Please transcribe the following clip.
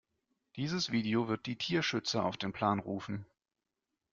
Dieses Video wird die Tierschützer auf den Plan rufen.